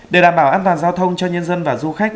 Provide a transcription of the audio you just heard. để đảm bảo an toàn giao thông cho nhân dân và du khách